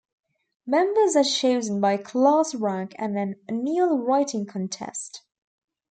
Members are chosen by class rank and an annual writing contest.